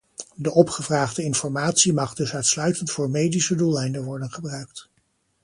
De opgevraagde informatie mag dus uitsluitend voor medische doeleinden worden gebruikt.